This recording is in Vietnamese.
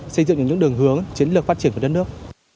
xây dựng những đường hướng chiến lược phát triển của đất nước